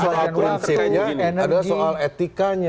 dan soal prinsipnya adalah soal etikanya